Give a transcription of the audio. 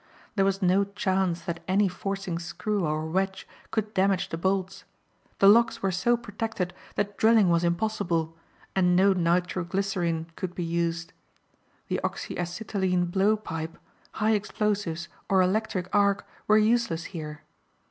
There was no chance that any forcing screw or wedge could damage the bolts. The locks were so protected that drilling was impossible and no nitro glycerine could be used. The oxy acetylene blowpipe, high explosives or electric arc were useless here.